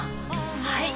はい！